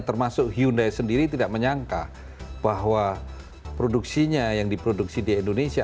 termasuk hyundai sendiri tidak menyangka bahwa produksinya yang diproduksi di indonesia